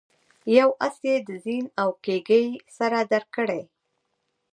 یو آس یې د زین او کیزې سره درکړی.